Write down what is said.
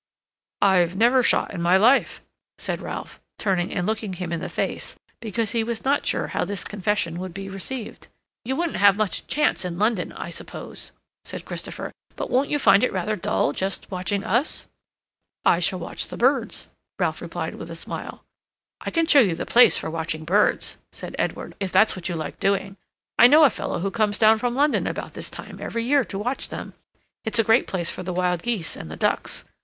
"I've never shot in my life," said Ralph, turning and looking him in the face, because he was not sure how this confession would be received. "You wouldn't have much chance in London, I suppose," said Christopher. "But won't you find it rather dull—just watching us?" "I shall watch birds," Ralph replied, with a smile. "I can show you the place for watching birds," said Edward, "if that's what you like doing. I know a fellow who comes down from London about this time every year to watch them. It's a great place for the wild geese and the ducks.